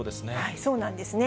そうなんですね。